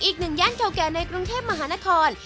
อีกหนึ่งย่านเก่าแก่ในกรุงเทพมหานคร